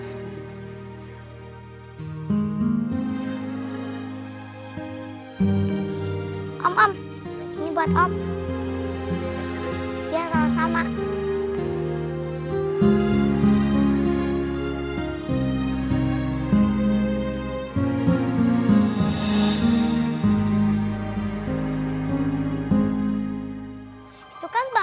kamu sebagai stupid disgusting